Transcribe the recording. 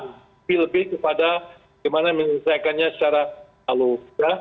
tapi lebih kepada bagaimana menyelesaikannya secara alur